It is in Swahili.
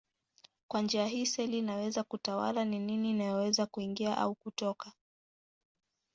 Kwa njia hii seli inaweza kutawala ni nini inayoweza kuingia au kutoka.